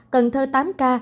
cần thơ tám ca